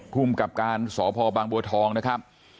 ภูมิกับการสพบางบัวทองนะครับ